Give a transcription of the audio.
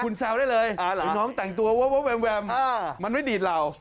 คุณแซวได้เลยน้องแต่งตัวแวมมันไม่ดีดเรา